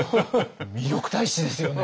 魅力大使ですよね？